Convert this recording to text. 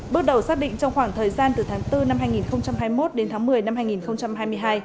bước đầu xác định trong khoảng thời gian từ tháng bốn năm hai nghìn hai mươi một đến tháng một mươi năm hai nghìn hai mươi hai